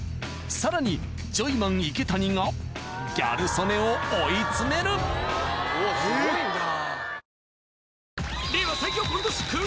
さらにジョイマン・池谷がギャル曽根を追い詰めるすごいな。